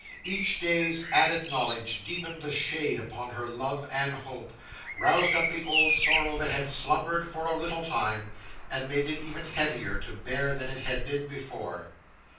Each day's added knowledge deepened the shade upon her love and hope, roused up the old sorrow that had slumbered for a little time, and made it even heavier to bear than it had been before.